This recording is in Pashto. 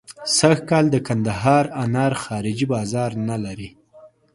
سږکال د کندهار انار خارجي بازار نه لري.